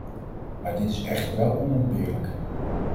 Maar dit is echter wel onontbeerlijk.